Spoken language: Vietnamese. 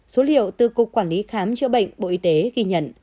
số liệu từ cục quản lý khám chữa bệnh bộ y tế ghi nhận